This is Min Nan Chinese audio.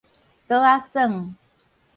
桌仔耍